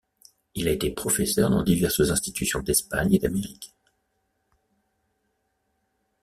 Il a été professeur dans diverses institutions d'Espagne et d'Amérique.